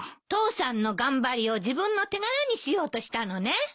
父さんの頑張りを自分の手柄にしようとしたのね。